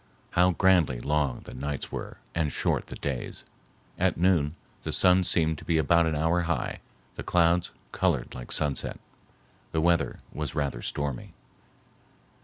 How grandly long the nights were and short the days! At noon the sun seemed to be about an hour high, the clouds colored like sunset. The weather was rather stormy.